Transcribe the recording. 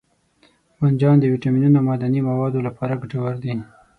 بانجان د ویټامینونو او معدني موادو لپاره ګټور دی.